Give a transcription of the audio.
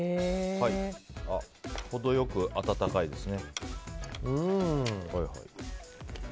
ほどよく温かいですね。